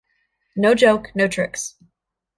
No Joke, No Tricks.